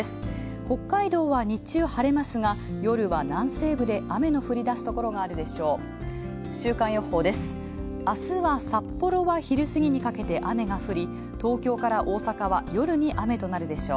北海道は日中はれますが夜は南西部で雨の降り出すところがあるでしょう。